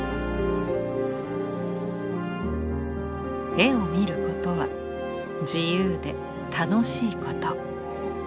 絵を見ることは自由で楽しいこと。